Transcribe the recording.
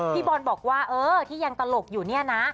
พี่บอลบอกว่าเออที่ยังตลกอยู่เนี่ยนะ